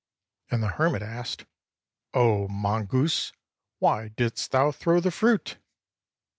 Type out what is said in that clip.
And the hermit asked, *'0 mongoose, why didst thou throw the fruit?"